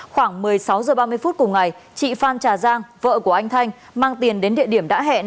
khoảng một mươi sáu h ba mươi phút cùng ngày chị phan trà giang vợ của anh thanh mang tiền đến địa điểm đã hẹn